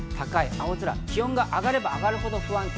青空、気温が上がれば上がるほど不安定。